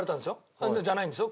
あっじゃないんですよ。